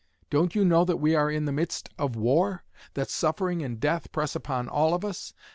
Don't you know that we are in the midst of war? That suffering and death press upon all of us?